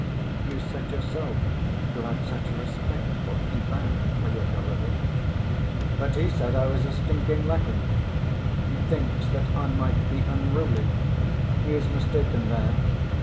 "You said yourself you had such a respect for Ivan Fyodorovitch." "But he said I was a stinking lackey. He thinks that I might be unruly. He is mistaken there.